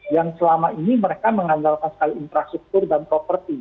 yang selama ini mereka mengandalkan sekali infrastruktur dan properti